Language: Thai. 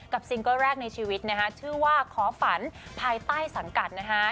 ซิงเกิ้ลแรกในชีวิตนะคะชื่อว่าขอฝันภายใต้สังกัดนะฮะ